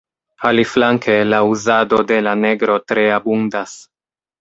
Aliflanke, la uzado de la negro tre abundas.